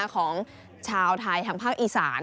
ของชาวไทยทางภาคอีสาน